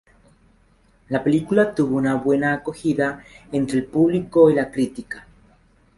La película tuvo una buena acogida entre el público y la crítica.